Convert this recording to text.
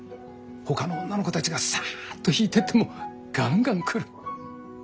ほかの女の子たちがサッと引いてってもガンガン来る。